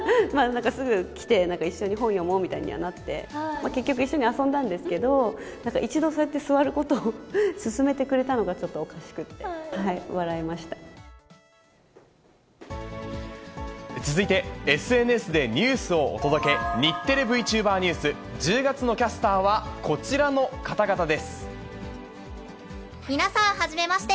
すぐ来て、一緒に本読もうみたいにはなって、結局一緒に遊んだんですけど、一度そうやって座ることを勧めてくれたのがちょっとおかしくって、続いて、ＳＮＳでニュースをお届け、日テレＶＴｕｂｅｒニュース、１０月のキャスターはこちらの方皆さん、はじめまして。